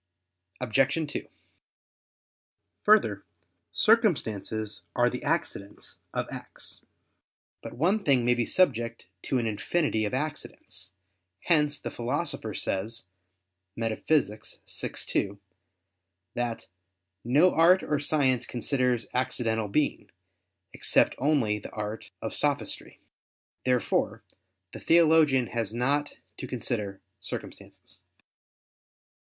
Obj. 2: Further, circumstances are the accidents of acts. But one thing may be subject to an infinity of accidents; hence the Philosopher says (Metaph. vi, 2) that "no art or science considers accidental being, except only the art of sophistry." Therefore the theologian has not to consider circumstances.